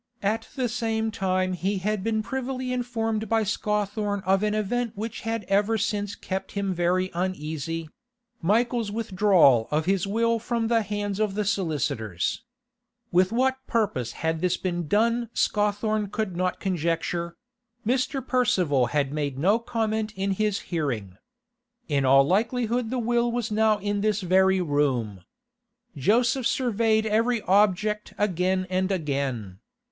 At the same time he had been privily informed by Scawthorne of an event which had ever since kept him very uneasy—Michael's withdrawal of his will from the hands of the solicitors. With what purpose this had been done Scawthorne could not conjecture; Mr. Percival had made no comment in his hearing. In all likelihood the will was now in this very room. Joseph surveyed every object again and again.